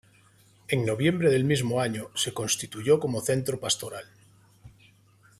En noviembre del mismo año, se constituyó como centro pastoral.